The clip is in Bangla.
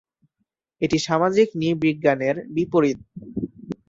এটি সামাজিক নৃবিজ্ঞানের বিপরীত।